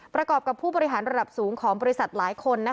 ประกอบกับผู้บริหารระดับสูงของบริษัทหลายคน